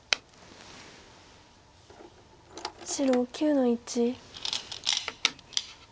白９の一。